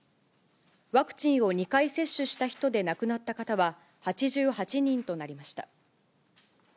ワクチンを２回接種した人で亡くなった方は、８８人となりました。